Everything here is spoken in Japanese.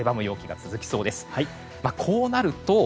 陽気が続きそうです。